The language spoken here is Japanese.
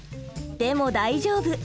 でも大丈夫。